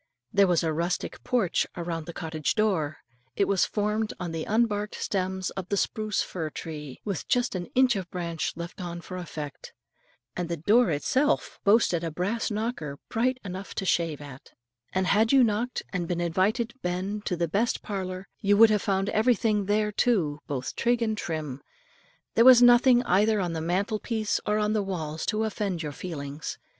There was a rustic porch around the cottage door; it was formed of the unbarked stems of the spruce fir tree, with just an inch of branch left on for effect, and the door itself boasted of a brass knocker, bright enough to shave at; and had you knocked and been invited "ben" to the best parlour, you would have found everything there too both trig and trim. There was nothing either on the mantle piece or on the walls to offend your feelings.